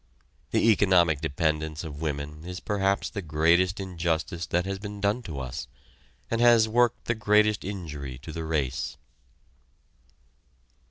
The economic dependence of women is perhaps the greatest injustice that has been done to us, and has worked the greatest injury to the race.